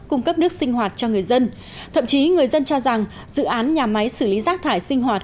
cung cấp nước sinh hoạt cho người dân thậm chí người dân cho rằng dự án nhà máy xử lý rác thải sinh hoạt